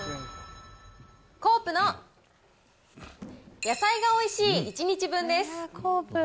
コープの野菜がおいしい１日分です。